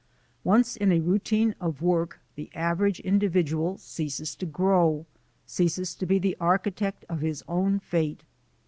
Once in a routine of work, the average individual ceases to grow — ceases to be the architect of his own fate.